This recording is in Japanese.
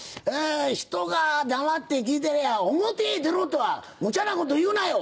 ひとが黙って聞いてりゃ表へ出ろとはむちゃなこと言うなよ。